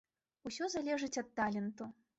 Усё залежыць ад таленту.